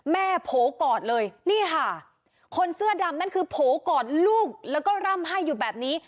โผล่กอดเลยนี่ค่ะคนเสื้อดำนั่นคือโผล่กอดลูกแล้วก็ร่ำให้อยู่แบบนี้